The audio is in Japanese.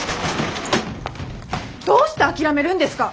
どうして諦めるんですか！